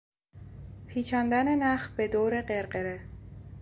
پیچاندن نخ به دور قرقره